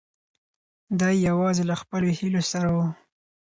دی یوازې له خپلو هیلو سره و.